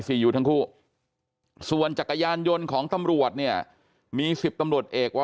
อยู่ทั้งคู่ส่วนจักรยานยนต์ของตำรวจเนี่ยมี๑๐ตำรวจเอกว